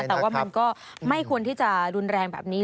แต่ว่ามันก็ไม่ควรที่จะรุนแรงแบบนี้